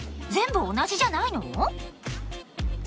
全部同じじゃないの？